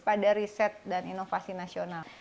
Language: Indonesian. pada riset dan inovasi nasional